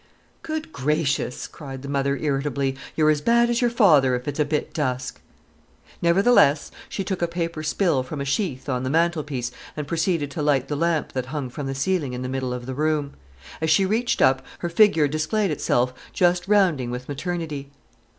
"Good gracious!" cried the mother irritably, "you're as bad as your father if it's a bit dusk!" Nevertheless she took a paper spill from a sheaf on the mantelpiece and proceeded to light the lamp that hung from the ceiling in the middle of the room. As she reached up, her figure displayed itself just rounding with maternity.